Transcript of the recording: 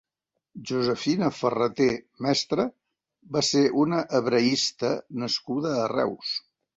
Josefina Ferrater Mestre va ser una hebraista nascuda a Reus.